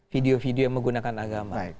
video video yang menggunakan agama